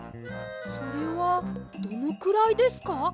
それはどのくらいですか？